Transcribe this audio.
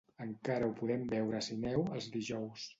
encara ho podem veure a Sineu els dijous